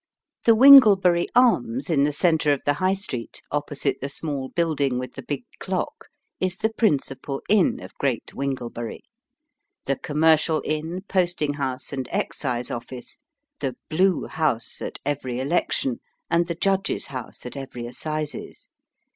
The Winglebury Arms, in the centre of the High Street, opposite the small building with the big clock, is the principal inn of Great Winglebury the commercial inn, posting house, and excise office ; the " Blue " house at every election, and the Judges' house at every assizes.